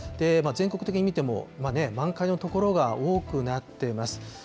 全国的に見ても、満開の所が多くなってます。